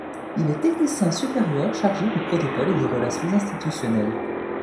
Il est technicien supérieur chargé du protocole et des relations institutionnelles.